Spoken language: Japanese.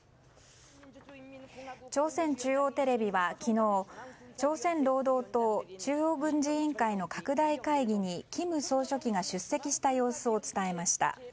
朝鮮中央テレビは昨日朝鮮労働党中央軍事委員会の拡大会議に金総書記が出席した様子を伝えました。